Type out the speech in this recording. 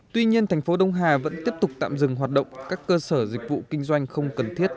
tuy nhiên thành phố đông hà vẫn tiếp tục tạm dừng hoạt động các cơ sở dịch vụ kinh doanh không cần thiết